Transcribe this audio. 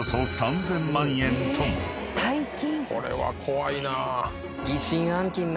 大金。